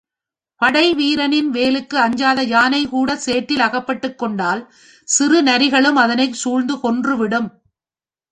படைவீரனின் வேலுக்கு அஞ்சாத யானைகூடச் சேற்றில் அகப்பட்டுக்கொண்டால் சிறு நரிகளும் அதனைச் சூழ்ந்து கொன்றுவிடும்.